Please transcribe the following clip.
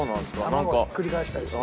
卵ひっくり返したりする。